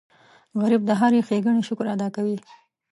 غریب د هرې ښېګڼې شکر ادا کوي